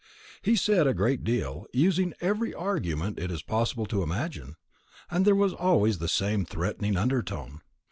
He said a great deal, using every argument it is possible to imagine; and there was always the same threatening under tone.